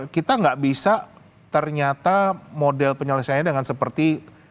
kita nggak bisa ternyata model penyelesaiannya dengan seperti